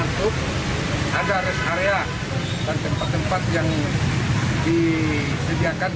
kluk agar area dan tempat tempat yang didiakan